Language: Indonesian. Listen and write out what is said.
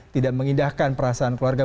tidak mengindahkan perasaan keluarga